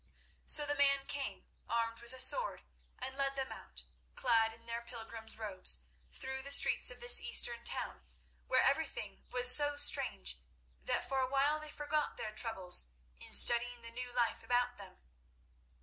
So the man came, armed with a sword, and led them out, clad in their pilgrims' robes, through the streets of this Eastern town, where everything was so strange, that for awhile they forgot their troubles in studying the new life about them.